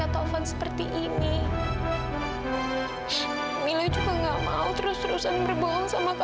tolong izinkan kak taufan pulang ya bu